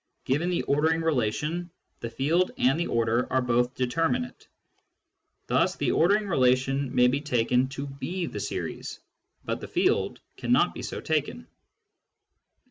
Given the ordering relation, the field and the order are both determinate. Thus the ordering relation may be taken to be the series, but the field cannot be so taken.